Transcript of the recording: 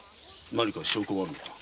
何か証拠があるのか？